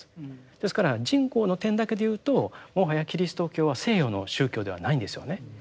ですから人口の点だけでいうともはやキリスト教は西洋の宗教ではないんですよね。